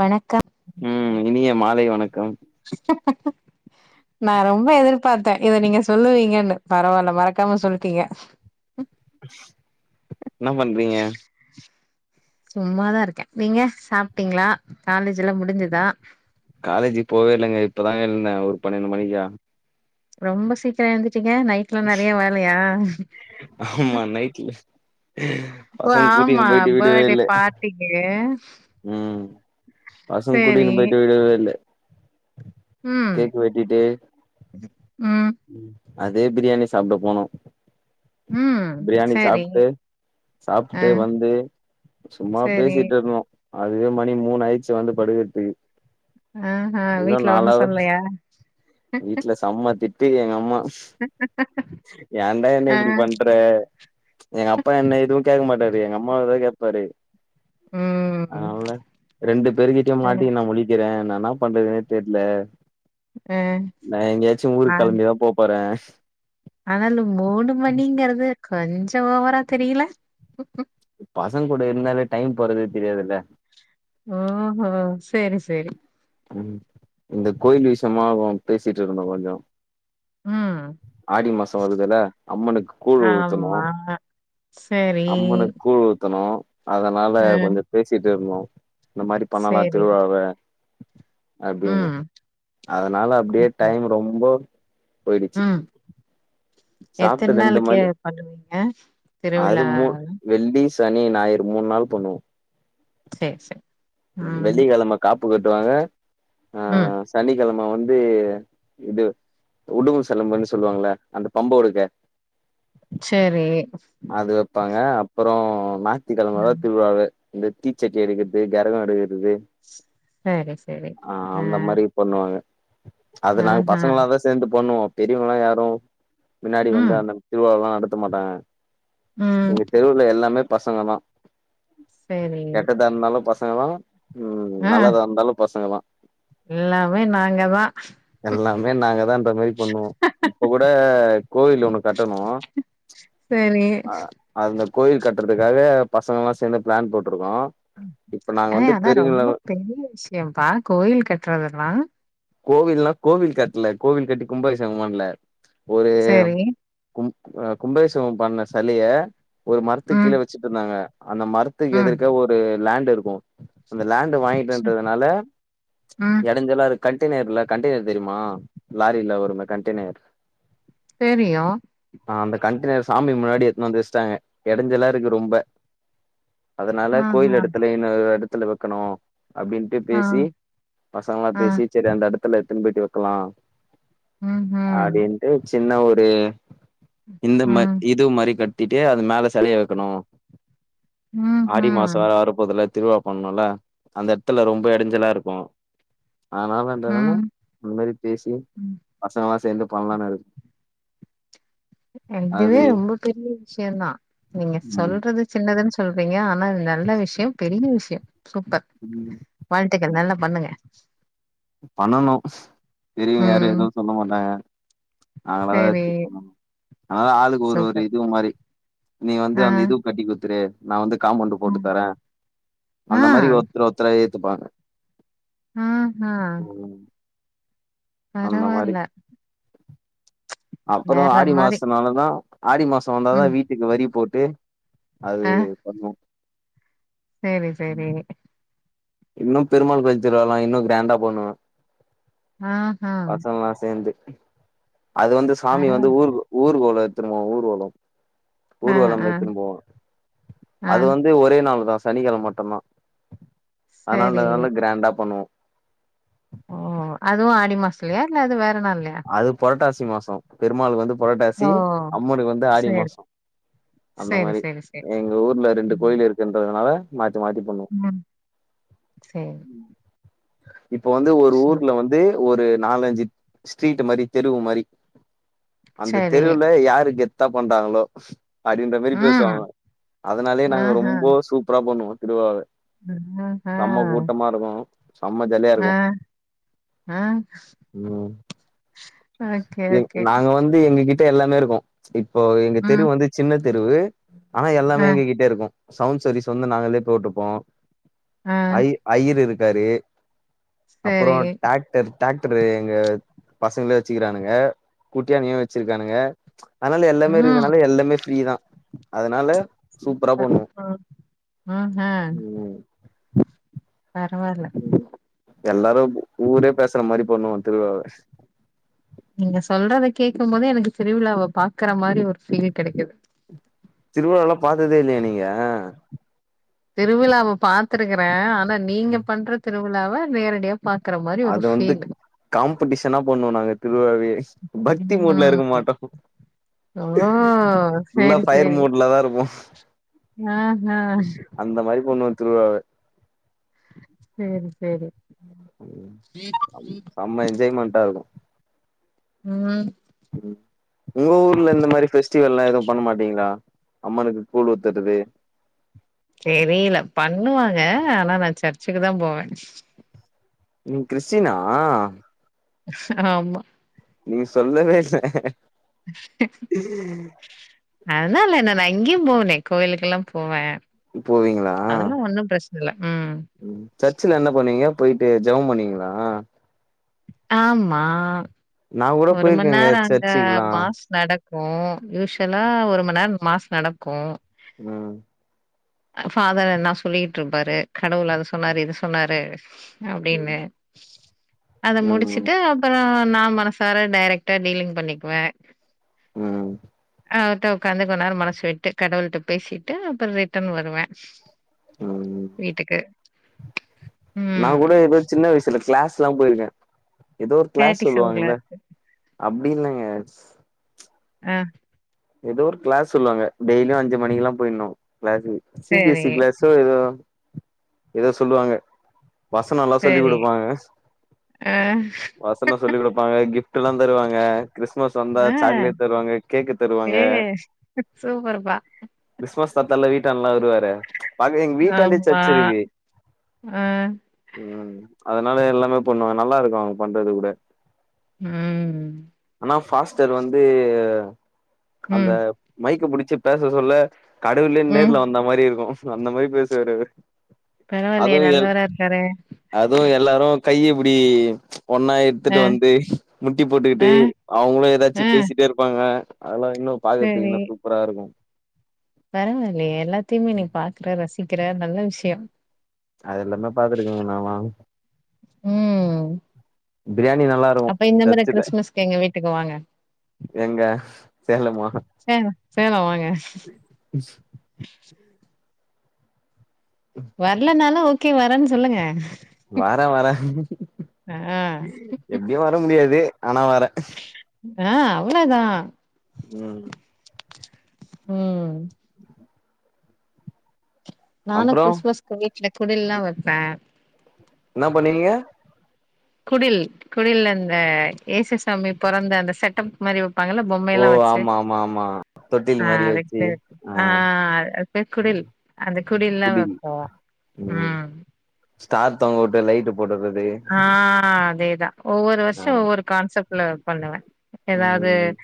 வணக்க ம் இனிய மாலை வணக்கம் நா ரொம்ப எதுர்பாத் த இத நீங்க சொல்லுவீங்கன்னு பரவால்ல மறக்காம சொல்டீங்க என்னா பண்றீங்க சும்மாதாருக்கே நீங்க சாப்ட்டீங்ளா காலேஜ்ல்ல முடிஞ்சுதா காலேஜு போவே இல்லங்க இப்பதாங்க எழுந்தே ஒரு பன்னெண்டு மணிக்கா ரொம்ப சீக்கிர எழுந்துட்டீங்க நைட்லா நறையா வேலையா ஆமா நைட்ல ஓ பசங்க ஆமா கூட்டின்னு போயிட்டு விடவே பேர்டே இல்ல பார்ட்டிகே பசங் கூட்டினு போயிட்டு விடவே இல்ல ம் கேக் வெட்டிட்டு ம் அதே பிரியாணி சாப்ட போனோ ம் பிரியாணி சேரி சாப்ட்டு ஆ சாப்ட்டு வந்து சும்மா சேரி பேசிட்டுருந்தோ அதுவே மணி மூனாயிட்ச்சு வந்து படுகர்த்துகு அ அ வீட்ல ஒன்னு சொல்லையா வீட்ல செம்ம திட்டு எங்க அம்மா ஏன்டா என்ன ஆ இப்டி பண்ற எங்க அப்பா என்ன எதுவு கேக்க மாட்டாரு எங்க அம்மாவதா கேப்பாரு ம் [unintelligible] ரெண்டு பேரு கிட்டியும் அ மாட்டிகின் நா முழிக்கிறே நா இன்னாப் பண்றதுனே தெர்ல அ நா எங்கியாச்சு ஆ ஊருக் கெளம்பிதாம் போப்போறே ஆனாலு மூனு மணிங்கிறது கொஞ்சோ ஓவராத் தெரில பசங் கூட இருந்தாலே டைம் போறதே தெரியாதுல்ல ஓஹோ சேரி சேரி ம் இந்தக் கோயில் விஷ்யமா ஒ பேசிட்டு இருந்தோ கொஞ்சோ ம் ஆடி மாசோ வருதுல அம்மனுக்கு கூழ் ஊத்தணு ஆமா. சரி. அம்மனுக் கூழ் ஊத்தணு அதனால அ கொஞ்சோ பேசிட்டுருந்தோ இந்த மாரிப் பண்ணலா சரி. திருவுழாவே அப்டின்னு ம். அதனால அப்டியே ஓகே. டைம் ரொம்போ ம் எத்தன் சாப்ட்டு ரெண்டு நாளைக்கே மணி பண்ணுவீங்க அது மூ திருவிழாவே வெள்ளி சனி ஞாயிறு மூன் நாள் பண்ணுவோ சேர் சே ம் வெள்ளிகெழம காப்பு கட்டுவாங்க ம் சனிகெழம வந்து இது உடும்பு செலம்புனு சொல்லுவாங்கள அந்த பம்ப ஒடுக்க சேரி அது வெப்பாங்க அப்பறோ ஞாத்திக்கெழமதாத் ம். திருவிழாவே இந்த தீச்சட்டி எடுகத்து கெரகோ எடுகறது சரி, சரி. ஆ அ. அந்த மாரிப் பண்ணுவாங்க அது நாங்க ஆஹா. பசங்களாதா சேந்து பண்ணுவோ பெரியவங்கலா யாரு மின்னாடி வந்து ம். அந்தம் திருவுலாலா நடத்த மாட்டாங்க ம். எங்கத் தெருவுல எல்லாமே பசங்கதா சரி. கெட்டதா இருந்தாலு பசங்கதா ம் ஆ நல்லதா இருந்தாலும் பசங்கதா எல்லாமே நாங்கதா எல்லாமே நாங்கதான் அந்த மேரி பண்ணுவோ இப்ப கூட கோவில் ஒன்னு கட்டணு சரி. அ அந்தக் கோயில் கட்றதுக்காக பசங்களா சேந்து பிளான் போட்ருக்கோ இப்ப நாங்க அ வந்து அதா பெரியங்கள ரொம்ப பெரிய விஷியம்ப்பா கோயில் கட்றதுலா கோவில்னா கோவில் கட்ல கோவில் கட்டி கும்பாபிஷேகம் பண்ல ஒரு சரி. கும் அ கும்பாபிஷேவம் பண்ண செலைய ஒரு மரத்துக் கீழ ம். வெச்சுட்ருந்தாங்க அந்த மரத்துக்கு ம். எதிர்க ஒரு லேண்ட்டுருக்கு அந்த லேண்டு் வாங்கிட்டன்டறதுனால ம். எடஞ்சலாருக் கண்டேனர் இல்ல கண்டெய்னர் தெரியுமா லாரில வருமே கண்டெய்னர் தெரியும் ஆ அந்த கண்டேனர் சாமி முன்னாடி எத்துனு வந்து வச்ட்டாங்க எடைஞ்செல்லா இருக்கு ரொம்ப அதனால ஆஹா. கோயில் எடத்துல இன்ன எடத்துல வைக்கனோ அப்டின்ட்டு ஆ. பேசி பசங்கல்லா ஆ பேசி சேரி அந்த எடத்துல எடுத்துனு போயிட்டு வெக்கலா ம்ஹும் அடின்ட்டு ஜின்ன ஒரு இந்த ம ம் இது மாரி கட் தீட்டு அது மேல சலைய வெக்கணு ஆடி மாசோ ம்ஹும் வேற வரபோதுல திருவா பண்ணனும்ல அந்த இட்த்துல ரொம்ப எடைஞ்சலா இருக்கும் அதனாலன்றதுனால ம் அந்த மாதிரி பேசி ம் பசங்கல்லா சேந்து பண்லானு இருக் இதுவே அது ரொம்ப பெரிய விஷ்யம்தான் நீங்க ம் சொல்றது ஜின்னதுன் சொல்றீங்க ஆனா நல்ல விஷ்யோம் பெரிய விஷ்யோ சூப்பர் ம் வாழ்கத்துகள் நல்லா பண்ணுங்க பண்ணணும் தெரியும் யாரும் ம் எதுவும் சொல்ல மாட்டாங்க நாங்களாதா சரி எட்த்து பண்ணணும் அதனால ஆளுக்கு ஒரு ஒரு சூப்பர் இது மாரி நீங்க வந்து ஆ அந்த இது கட்டி குத்துரு நா வந்து காம்பவுண்டு போட்டு ம் தார ஆ அந்த மாரி ஒருத்தர் ஒருத்தரா ஏத்துப்பாங்க ஆ ஆஹ ம் அந்த பரவால்ல அப்பறோ வேற ஆடி மாரி மாசனாலதா ஆடி மாசம் வந்தாதா ம் வீட்டுக்கு வரி போட்டு அது பண்ணும் சேரி சேரி இன்னும் பெருமாள் கோயில் திருவ்லாலா இன்னும் கிராண்டா பண்ணுவோ ஆஹா பசங்கல்லா சேந்து அது வந்து சாமி வந்து பரவால்ல ஊர் ஊர் கோல எத்துருவோம் ஊர் கோலோ ஆ ஊர்வலம் ஆ எத்துனு போவோ ஆ அது வந்து ஒரே நாள் தா சனிக்கெழ மட்டும்தா சரி ஆனாலனால கிராண்டா பண்ணுவோ ஓ அதுவும் ஆடி மாஸ்லயா இல்ல அது வேற நாள்லயா அது புரட்டாசி மாசோ பெருமாளுக்கு வந்து புரட்டாசி ஓ அம்மனுக்கு வந்து ஆடி சேரி மாசோம் சேரி சேரி சேரி எங்க ஊர்ல ரெண்டு ம் கோயில் இருக்குன்றதுனால மாத்தி மாத்தி பண்ணுவோ சேர் இப்ப வந்து ஒரு ஊர்ல வந்து ஒரு நாலஞ்சி ஸ்ட்ரீட் மாரி தெருவு மாரி அந்த சேரி தெருவுல யாருக்கு கெத்தா பண்றாங்களோ அப்டின்ற மாதிரி ம் பேசுவாங்க அதனாலயே ஆஹ நாங்க ஆஹ ரொம்ப சூப்பரா பண்ணுவோம் திருவாவ செம்ம கூட்டமாருக்கும் செம்ம ஜலியாருக்கும் அ என் நாங்க வந்து எங்ககிட்ட எல்லாமே இருக்கோம் இப்போ எங்க ம் தெருவு வந்து ஜின்ன தெருவு ஆனா ஆ எல்லாமே எங்க கிட்டருக்கும் சவுண்ட் சர்வீஸ் வந்து நாங்களே போட்டுப்போம் ஆ ஐ அய்யர் இருக்காரு சேரி அப்புறோம் டாக்டர் ட்ராக்ட்ரு எங்க பசங்களே வச்சுக்கிறானுங்க குட்டியானயும் வச்சிருக்கானுங்க அதனால எல்லாமே ம் இருக்கதுனால எல்லாமே ஃப்ரீ தா அதனால சூப்பரா சூப்பர் பண்ணுவோ ப ம் ஆஹ் ம் பரவால்ல எல்லாரு ஊரே பேசுற மாரி பண்ணுவோம் திருவ்ழாவ நீங்க சொல்றத கேகும் போதே எனக்கு திருவுழாவ பாக்குற மாரி ஒரு ஃபீல் கெடைக்குது திருவழால பாத்ததே இல்லயா நீங்க திருவிழாவ பாத்திருக்குறே ஆனா நீங்க பண்ற திருவிழாவ நேரடியா பாக்குற மாரி ஒரு ஃபீலு காம்படிஷன்னா இன்னா பண்ணுவோ நாங்க திருவிழாவே பக்தி மூட்ல இருக்க ம் மாட்டோ ஓ நல்ல ஃபையர் மூட்ல தா இருப்போ அ ஆ அந்த மாரி பண்ணுவோ திருவிழாவ சேரி சேரி செம்ம என்ஜாய்மெண்ட்டா இருக்கு ம் ம் உங்க ஊர்ல இந்த மாரி ஃபெஸ்டிவெல்லா எதுவு பண்ண மாட்டீங்ளா அம்மானுக்கு கூழ் ஊத்தருது தெரியல பண்ணுவாங்க ஆனா நான் சர்ச்சுக்கு தா போவே நீங்க கிறிஸ்டினா ஆமா நீங்க சொல்லவே இல்ல அதனால என்ன நா இங்கயும போவேனே கோவிலுக்கு ஏல்லா போவே போவீங்களா அதெல்லா ஒன்னு பிரச்சன இல்ல ம் ம் சர்ச்ல என்ன பண்ணுவீங்க போயிட்டு ஜெபோ பண்ணீங்ளா ஆமா நா கூட ஒரு மணி போயிருக்கேங்க நேரோ அங்க சர்ச்சுக்குலா மாஸ் நடக்கு யூஸ்வலா ஒரு மணிநேரோ மார்ஸ் நடக்கு அ ஃபாதர் எத்னா சொல்லிகிட்டிருப்பாரு கடவுள் அத சொன்னாரு இத சொன்னாரு அப்டின்னு அத ம் முடிச்சிட்டு அப்புறோ நா மனசார டைரக்ட்டா டீலிங் பண்ணிக்குவே ம் அவர் கிட்ட ஒக்காந்து கொஞ்சநேரோ மனசு விட்டு கடவுள் கிட்ட பேசிட்டு அப்றோ ரிட்டர்ன் வருவே ம் வீட்டுக்கு நா ம். கூட ஏதோ சின்ன வயசுல கிளாஸ்லா போயிருக்கே ஏதோ ஒரு கிளாஸ் கேட்டிசம் சொல்லுவாங்கல்ல கிளாஸு. அப்டி இல்லங்க ஆ ஏதோ ஒரு கிளாஸ் சொல்வாங்க டெய்லியு அஞ்சி மணிக்குல்லா போயிட்ணு கிளாஸ்சுக்கு சி பி எஸ் சரி, சி கிளாஸ் சோ ஏதோ ஏதோ சொல்லுவாங்க வசனோ எல்லா சொல்லிக் சரி. குடுப்பாங்க ஆ, வசனோ சொல்லி குடுப் பாங்க கிப்ட் எல்லா தருவாங்க கிறிஸ்மஸ் வந்தா சாக்லேட் தருவங்க கேக் ஏய் சூப்பர் பா கிறிஸ்மஸ் தாத்தால்ல வீட்டாண்ட எல்லா வருவாரே பாக்கவே எங்க வீட்டாண்ட ஆமா. சர்ச் இருக்கு ஆ, ம் அதனால எல்லாமே பண்ணுவாங்க நல்லா இருக்கு அவுங்க பண்றது கூட ம் ஆனா ஃபாஸ்டர் வந்து அந்த ம், மைக்கு புடிச்சி பேச சொல்ல கடவுலே ம். நேர்ல வந்த மாரி இருக்கு அந்த மாரி பேசுவரு அவரு பரவால்லையே அதுவு நல்லவரா இருக்காரே அதுவு எல்லாரு கைய இப்டி ஒன்னா ஆ, எடுத்துட்டு வந்து முட்டி ஆ, போட்டுக்கிட்டு அவுங்களும் ஏதாச்சி ஆ. பேசிட்டே இருப்பாங்க அதெல்லா இன்னு பாக்கறதுக்கு இன்னு சூப்பரா இருக்கு பரவால்லையே எல்லாத்தையுமே நீ பாக்குற ரசிக்கிற நல்ல விஷயம் அது எல்லாமே பாத்துருக்கங்க நா வாங் உம் பிரியாணி நல்லா அப்ப இருக்கு இந்த முற சர்ச்சுல கிறிஸ்மஸ்க எங்க வீட்டுக்கு வாங்க எங்க சேலமா சேலா சேலா வாங்க உஸ் வரலனால ஓகே வரேன்னு சொல்லுங்க வார வார ஆ எப்டியு வர முடியாது ஆனா வர ஆ அவ்ளதா [unintelligible] உம் நானு அப்றோ கிறிஸ்துமஸ்க்கு வீட்ல குடில்லா வைப்பே என்ன பண்ணுவீங்க குடில் குடில் அந்த ஏசுசுவாமி பொறந்த அந்த செட்டப் மாரி வைப்பாங்களப் பொம்மை ஓ எல்லா வச்சி ஆமா ஆமா ஆமா தொட்டில் ஆ மாரி வச்சு அதுக்கு ஆ ஆ அது பேர் குடில் அந்த குடியல்லா வப்போ உம் ஸ்டார் தங்க விட்டு லைட்டு போடுறது ஆ அதேதா ஒவ்வோரு ஆ வருஷம் ஒவ்வொரு கான்செப்ட்ல பண்ணுவஷஸ ஏதாவது ம்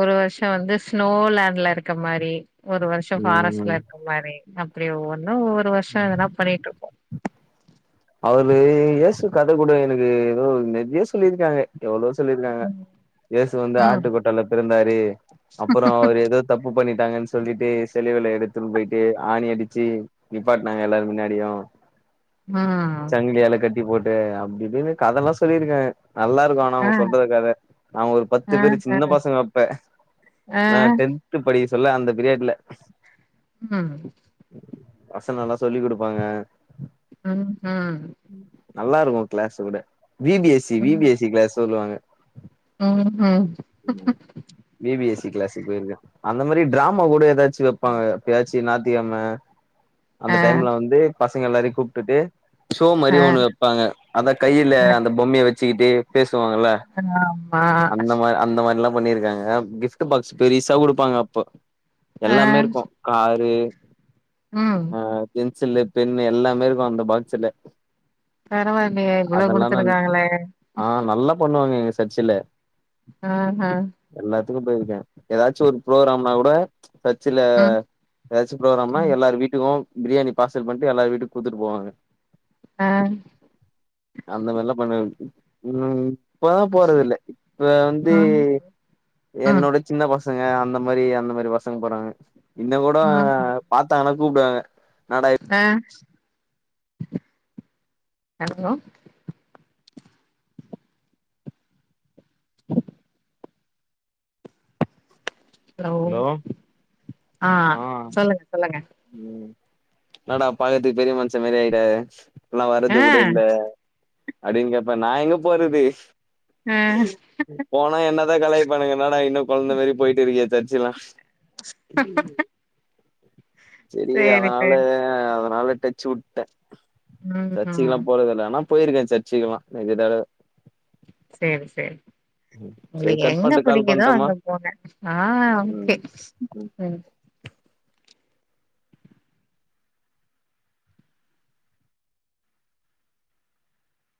ஒரு வருஷ வந்து ஸ்னோலேண்ல இருக்கமாரி ஒரு வருஷோ ம் ஃபாரஸ்ட்ல இருக்கற மாரி அப்டி ஒவ்வொன்னு ஒவ்வொரு வருஷோ எதன்னா பண்ணிட்டு இருக்கோ அவரு இயசு கதை கூட எனக்கு ஏதோ நெறைய சொல்லி இருக்காங்க எவ்ளோ சொல்லியிருக்காங்க இயேசு வந்து ம் ஆட்டுக்கோட்டால பிறந்தாரு அப்ரோ அவர் ஏதோ தப்பு பண்ணிட்டாங்கன்னு சொல்லிட்டு சிலுவேல எடுத்துன்னு போயிட்டு ஆணி அடிச்சி நிப்பாட்னாக எல்லாரு முன்னாடியு ஆ சங்கிலியால கட்டி போட்டு அப்டி இப்டின்னு கத எல்லா சொல்லியிருக்காக நல்லா இருக்கு ஆனா ஆ அவங்க சொல்ற கத நா ஒரு ஆ பத்து பேரு ஆ சின்ன பசங்க அப்பே ஆ நா டென்த் படி சொல்ல அந்த பிரியாட்ல உ உம் வசன எல்லா சொல்லி குடுப்பாங்க அம் ஹா நல்லா இருக்கு கிளாஸ் கூட விபிஎஸ்சி விபிஎஸ்சி கிளாஸ் சொல்லுவாங்க உ ம் விபிவிஎஸ் கிளஸ்க்கு போயிருக்க அந்த மாதிரி டிராமா கூட ஏதாச்சும் வைப்பாங்க எபாச்சி நாத்திகிழம அந்த ஆ டைம்ல வந்து பசங்க எல்லாரையு கூப்டுட்டு சோ ஆ மாரிய ஒன்னு வைப்பாங்க அதா கையில ஆ அந்த பொம்மைய வச்சிக்கிட்டு பேசுவாங்கல ஆமா அந்த மார அந்த மாரி எல்லா பண்ணிருக்காங்க கிஃப்ட் பாக்ஸ் பெரியசா குடுப்பாங்க அப்போ ஆ எல்லாமே இருக்கு காரு உம் பென்சில்லு பென்னு எல்லாமே இருக்கு அந்த பாக்ஸ்ல பரவா இல்லையே இவ்ளோ அதெல்லா நா குடுத்துருக்காங்கள ஆ நல்ல பண்ணுவாங்க எங்க சர்ச்சில அ ஹ எல்லாத்துக்கு போயிருக்கே எதாச்சு ஒரு ஃப்புரோக்கிராம்னா கூட டச்சில ம் எதாச்சு ப்ரோக்ராம் ம் எல்லார் வீட்டுக்கு பிரியாணி பார்சல் பண்ட்டு எல்லார் வீட்டுக் குத்துட் போவாங்க ஆ அந்த மார்லா பண்ண ம் இப்பதா போறது இல்ல இப்ப வந்து ம் ம் என்னோட சின்ன பசங்க அந்த மாதிரி அந்த மாதிரி பசங்க போறாங்க இன்ன கூட ம் ம் பாத்தாங்கன்னா கூப்புடுவாங்க என்னாட ஆ ஹலோ [unintelligible] ஹலோ ஆ சொல்லுங்க சொல்லுங்க ம் என்னாடா பாக்கற்த்துக்கு பெரிய மனுஷ மாரி ஆயிட இப்பல்லா ஆ வர்றது கூட இல்ல அடேங்கப்பா நா எங்க போறது ஆ போனா என்ன தா கலாய்ப்பாங்க இவ என்னடா இன்னு கொழ்ந்த மாரி போயிட்டு இருக்கே சர்ச்ச எல்லா அஹ் ஆஹ் சரி அதனால சேரி அதனால டச்சு உட்டே சச்சுக்கல்லா ம் போறதல்ல ஆனா போயிருக்கே சர்ச்சுக்குலா நெறைய தடவோ சேரி சேரி செரி உங்களுக் கட் எங்க பண்ட்டு கால் புடிக்குதோ பண்ட்டுமா அங்க போங்க ஆ ஓகே ம் ம்